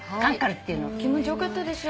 気持ち良かったでしょ？